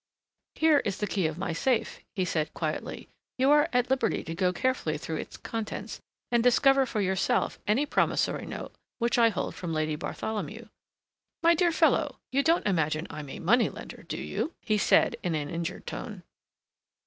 "Here is the key of my safe," he said quietly. "You are at liberty to go carefully through its contents and discover for yourself any promissory note which I hold from Lady Bartholomew. My dear fellow, you don't imagine I'm a moneylender, do you?" he said in an injured tone.